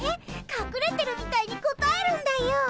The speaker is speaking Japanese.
かくれてるみたいに答えるんだよ。